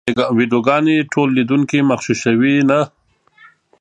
مصنوعي ویډیوګانې ټول لیدونکي مغشوشوي نه.